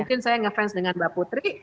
mungkin saya ngefans dengan mbak putri